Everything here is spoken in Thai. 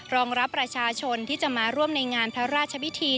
รองรับประชาชนที่จะมาร่วมในงานพระราชพิธี